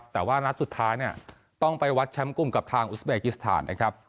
แต่ว่านัดสุดท้ายต้องไปวัดแชมป์กลุ่มกับทางอุสเบกิสถาน